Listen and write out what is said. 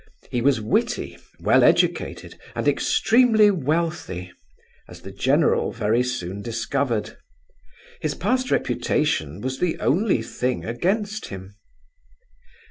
He was witty, well educated, and extremely wealthy, as the general very soon discovered. His past reputation was the only thing against him.